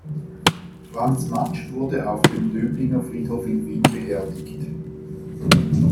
Franz Matsch wurde auf dem Döblinger Friedhof in Wien beerdigt.